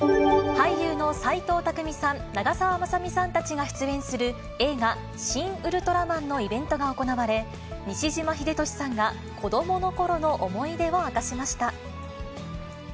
俳優の斎藤工さん、長澤まさみさんたちが出演する映画、シン・ウルトラマンのイベントが行われ、西島秀俊さんが子どものころの思い出を明かしました。